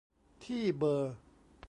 ที่เบอร์